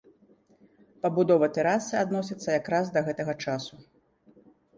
Пабудова тэрасы адносіцца якраз да гэтага часу.